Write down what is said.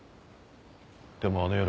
でもあの夜。